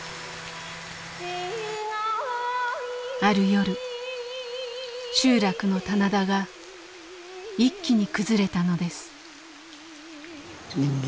ある夜集落の棚田が一気に崩れたのです。